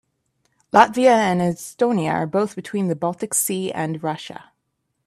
Latvia and Estonia are both between the Baltic Sea and Russia.